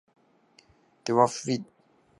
で ｗｆｒｔｔｊ